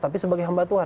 tapi sebagai hamba tuhan